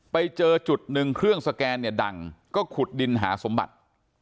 ไปเจอจุดหนึ่งเครื่องสแกนเนี่ยดังก็ขุดดินหาสมบัติ